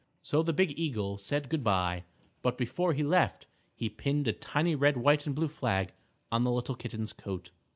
So the big eagle said good by, but before he left, he pinned a tiny red, white and blue flag on the little Kitten's coat.